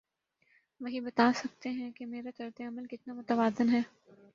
وہی بتا سکتے ہیں کہ میرا طرز عمل کتنا متوازن ہے۔